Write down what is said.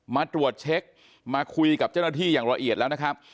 มาตรวจเช็คมาคุยกับเจ้าหน้าที่อย่างละเอียดแล้วนะครับ